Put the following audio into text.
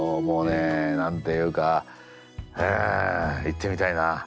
もうね何て言うかえ行ってみたいな。